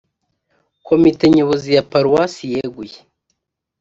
komite nyobozi ya paruwasi yeguye